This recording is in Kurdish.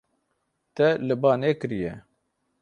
Te li ba nekiriye.